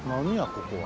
ここは。